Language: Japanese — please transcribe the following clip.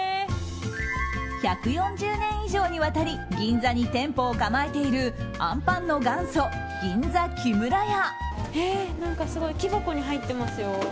１４０年以上にわたり銀座に店舗を構えているあんパンの元祖、銀座木村家。